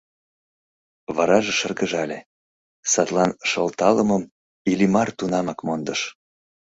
Вараже шыргыжале, садлан шылталымым Иллимар тунамак мондыш.